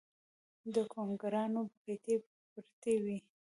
د ګونګروګانو پټۍ پرتې وې